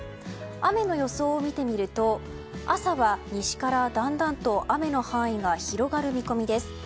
雨の予想を見てみると朝は西からだんだんと雨の範囲が広がる見込みです。